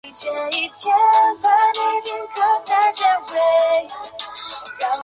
正是由于有了建立在高度政治觉悟基础上的革命纪律，将士们……哪怕烈火焚身，也岿然不动，直至付出生命。